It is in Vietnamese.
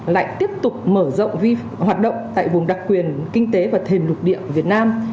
lại tiếp tục mở rộng hoạt động tại vùng đặc quyền kinh tế và thềm lục địa của việt nam